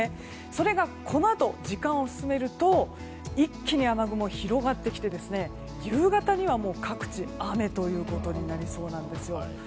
それが、時間を進めると一気に雨雲が広がってきて夕方には各地、雨ということになりそうなんです。